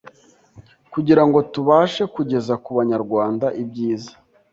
kugira ngo tubashe kugeza ku Banyarwanda ibyiza